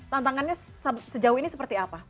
tantangannya sejauh ini seperti apa